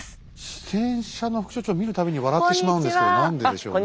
自転車の副所長を見る度に笑ってしまうんですけど何ででしょうね？